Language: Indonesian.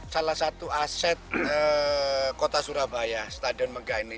salah satu aset kota surabaya stadion megang